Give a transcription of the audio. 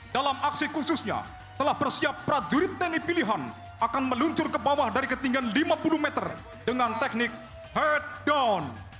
dalam aksi khususnya telah bersiap prajurit tni pilihan akan meluncur ke bawah dari ketinggian lima puluh meter dengan teknik heart down